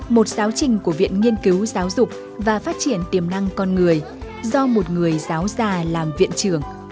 một giáo trình của viện nghiên cứu giáo dục và phát triển tiềm năng con người do một người giáo già làm viện trưởng